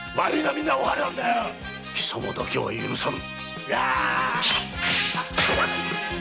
貴様だけは許さぬ！